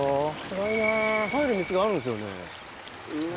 狭いな入る道があるんですよね。